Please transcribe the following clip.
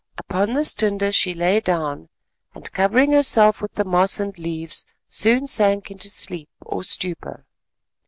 Upon this tinder she lay down, and covering herself with the moss and leaves soon sank into sleep or stupor.